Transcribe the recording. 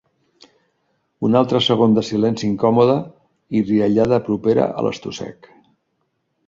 Un altre segon de silenci incòmode i riallada propera a l'estossec.